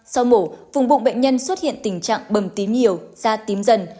sau mổ vùng bụng bệnh nhân xuất hiện tình trạng bầm tím nhiều da tím dần